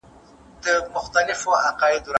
جوړښت کي پراخ ظرفیت لري او د نورو ژبو د جذب